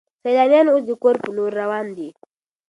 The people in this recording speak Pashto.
سیلانیان اوس د کور په لور روان دي.